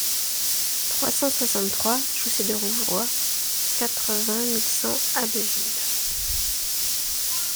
trois cent soixante-trois chaussée de Rouvroy, quatre-vingt mille cent Abbeville